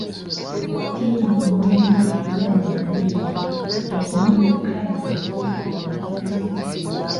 Ku ttiimu ennyingi ezizannya mu liigi, emu yokka y'efuuka empanguzi.